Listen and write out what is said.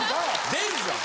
出るじゃん。